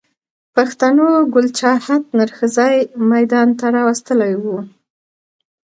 پښتنو ګل چاهت نر ښځی ميدان ته را وستلی و